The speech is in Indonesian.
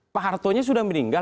pak hartonya sudah meninggal